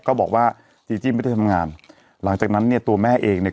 ก็บอกว่าจีจิ้มไม่ได้ทำงานหลังจากนั้นเนี่ยตัวแม่เองเนี่ย